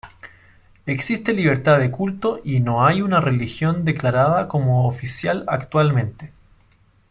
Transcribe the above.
Existe libertad de culto y no hay una religión declarada como oficial actualmente.